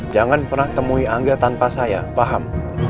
jangan pernah temui angga tanpa saya paham